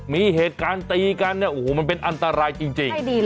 มีเหตุการณ์ตีกันเนี่ยโอ้โหมันเป็นอันตรายจริง